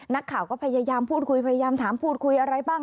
นักข่าวก็พยายามพูดคุยพยายามถามพูดคุยอะไรบ้าง